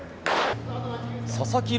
佐々木朗